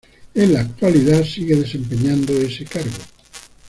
En la actualidad sigue desempeñando ese cargo.